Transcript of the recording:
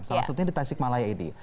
salah satunya di tasik malaya ini